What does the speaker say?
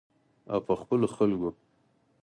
او په خپلو خلکو.